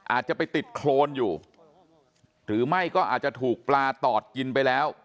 อาจจะไปติดโครนอยู่หรือไม่ก็อาจจะถูกปลาตอดกินไปแล้ว